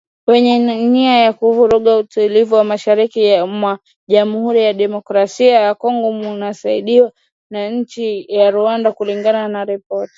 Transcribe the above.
Wenye nia ya kuvuruga utulivu mashariki mwa jamuhuri ya kidemokrasia ya kongo wanasaidiwa na Inchi Rwanda kulingana na ripoti